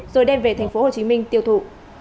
rồi đem về tp hcm tiêu thụ